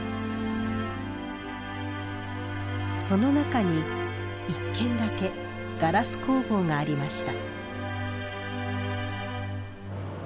その中に一軒だけガラス工房がありました。